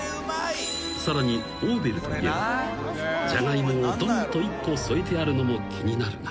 ［さらにオーベルといえばジャガイモをどんと１個添えてあるのも気になるが］